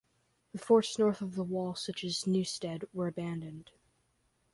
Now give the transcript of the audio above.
The forts north of the wall such as Newstead were abandoned.